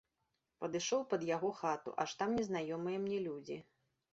Падышоў пад яго хату, аж там незнаёмыя мне людзі.